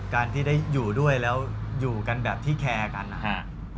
การที่ได้อยู่ด้วยแล้วอยู่กันแบบที่แคร์กันนะฮะ